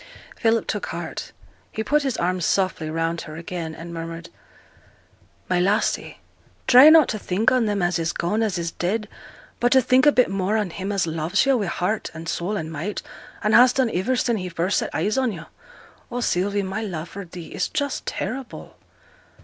Philip took heart. He put his arm softly round her again, and murmured 'My lassie, try not to think on them as is gone, as is dead, but t' think a bit more on him as loves yo' wi' heart, and soul, and might, and has done iver sin' he first set eyes on yo'. Oh, Sylvie, my love for thee is just terrible.'